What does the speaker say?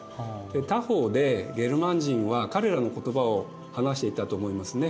他方でゲルマン人は彼らの言葉を話していたと思いますね。